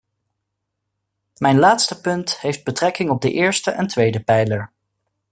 Mijn laatste punt heeft betrekking op de eerste en tweede pijler.